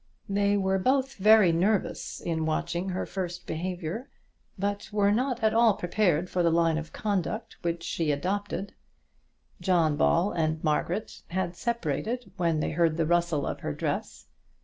They were both very nervous in watching her first behaviour, but were not at all prepared for the line of conduct which she adopted. John Ball and Margaret had separated when they heard the rustle of her dress.